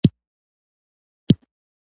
خو کرهنه مو سنتي ده